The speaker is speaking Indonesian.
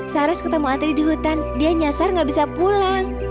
saras ketemu atri di hutan dia nyasar gak bisa pulang